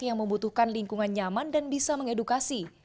yang membutuhkan lingkungan nyaman dan bisa mengedukasi